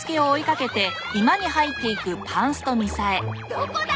どこだ！